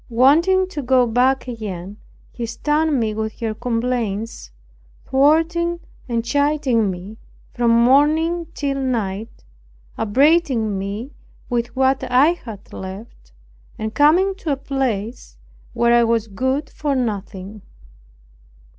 Wanting to go back again, she stunned me with her complaints, thwarting and chiding me from morning till night, upbraiding me with what I had left, and coming to a place where I was good for nothing.